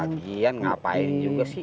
lagian ngapain juga sih